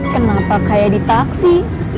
kenapa kaya di taksi